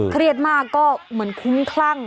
เครียดมากก็เหมือนคุ้มคลั่ง